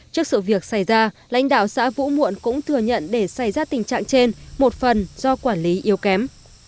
trước sự việc xảy ra lãnh đạo xã vũ muộn cũng thừa nhận để xảy ra tình trạng trên một phần do quản lý yếu kém